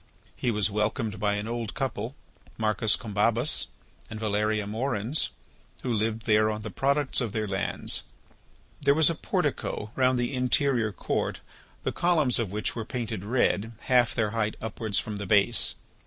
He was welcomed by an old couple, Marcus Combabus and Valeria Moerens, who lived there on the products of their lands. There was a portico round the interior court the columns of which were painted red, half their height upwards from the base.